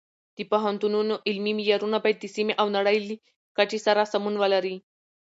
د پوهنتونونو علمي معیارونه باید د سیمې او نړۍ له کچې سره سمون ولري.